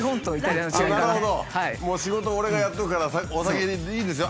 「もう仕事俺がやっとくからお先にいいですよ」。